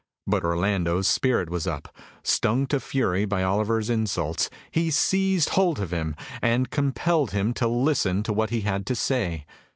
But Orlando's spirit was up. Stung to fury by Oliver's insults, he seized hold of him, and compelled him to listen to what he had to say.